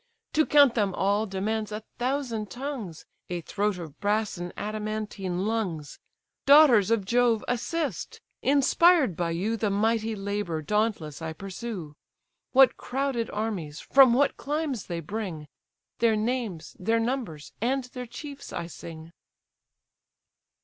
To count them all, demands a thousand tongues, A throat of brass, and adamantine lungs. Daughters of Jove, assist! inspired by you The mighty labour dauntless I pursue; What crowded armies, from what climes they bring, Their names, their numbers, and their chiefs I sing.